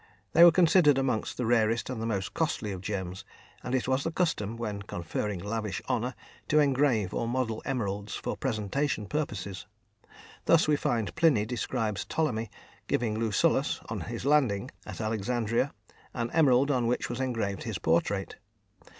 They were considered amongst the rarest and the most costly of gems, and it was the custom, when conferring lavish honour, to engrave or model emeralds for presentation purposes. Thus we find Pliny describes Ptolemy giving Lucullus, on his landing at Alexandria, an emerald on which was engraved his portrait.